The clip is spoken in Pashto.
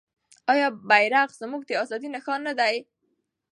آیا بیرغ زموږ د ازادۍ نښان نه دی؟